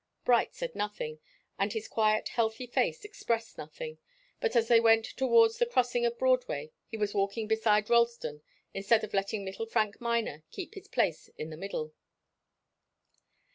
Bright said nothing, and his quiet, healthy face expressed nothing. But as they went towards the crossing of Broadway, he was walking beside Ralston, instead of letting little Frank Miner keep his place in the middle.